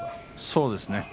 そうですね。